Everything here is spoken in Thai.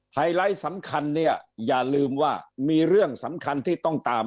ไฮไลท์สำคัญเนี่ยอย่าลืมว่ามีเรื่องสำคัญที่ต้องตาม